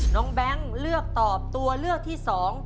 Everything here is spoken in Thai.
แบงค์เลือกตอบตัวเลือกที่๒